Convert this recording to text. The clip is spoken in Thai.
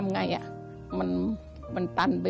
ทำงานชื่อนางหยาดฝนภูมิสุขอายุ๕๔ปี